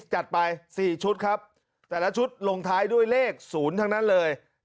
จัดไป๔ชุดครับแต่ละชุดลงท้ายด้วยเลข๐ทั้งนั้นเลย